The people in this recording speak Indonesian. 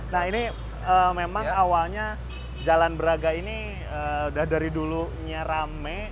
nah ini memang awalnya jalan braga ini udah dari dulunya rame